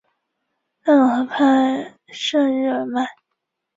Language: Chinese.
新几内亚岛一般不纳入马来群岛之范畴。